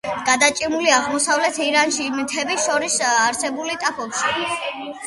გადაჭიმულია აღმოსავლეთ ირანის მთებს შორის არსებულ ტაფობში.